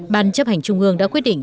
ban chấp hành trung ương đã quyết định